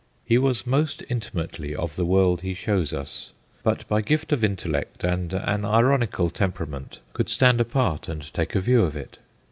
He was most intimately of the world he shows us, but by gift of intellect and an ironical temperament could stand apart and take a view of it.